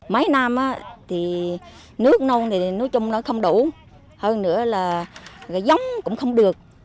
mấy năm thì nước nông thì nói chung nó không đủ hơn nữa là cái giống cũng không được